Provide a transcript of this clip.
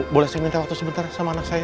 boleh saya minta waktu sebentar sama anak saya